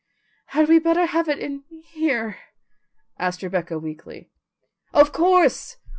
"Had we better have it in here?" asked Rebecca weakly. "Of course!